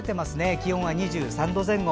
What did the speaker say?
気温は２３度前後。